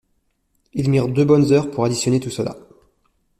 Ils mirent deux bonnes heures pour additionner tout cela.